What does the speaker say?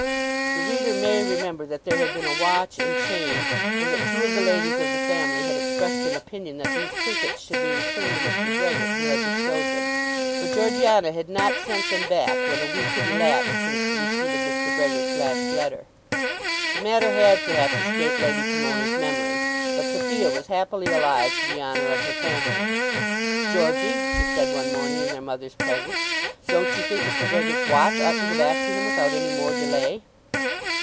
The reader may remember that there had been a watch and chain, and that two of the ladies of the family had expressed an opinion that these trinkets should be returned to Mr. Brehgert who had bestowed them. But Georgiana had not sent them back when a week had elapsed since the receipt of Mr. Brehgert's last letter. The matter had perhaps escaped Lady Pomona's memory, but Sophia was happily alive to the honour of her family. "Georgey," she said one morning in their mother's presence, "don't you think Mr. Brehgert's watch ought to go back to him without any more delay?"